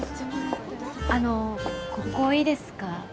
あのここいいですか？